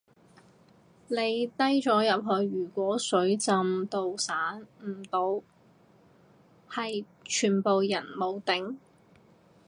你低咗入去如果水浸到散唔到係全部人沒頂